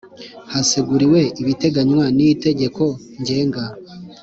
Haseguriwe ibiteganywa n Itegeko Ngenga